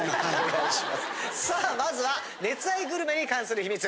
さあまずは熱愛グルメに関する秘密！